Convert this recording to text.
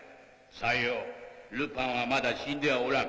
さようルパンはまだ死んではおらん。